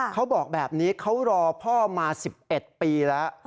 เขาบอกแบบนี้เขารอพ่อมา๑๑ปีแล้ว